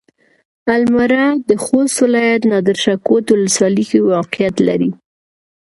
المره د خوست ولايت نادرشاه کوټ ولسوالۍ کې موقعيت لري.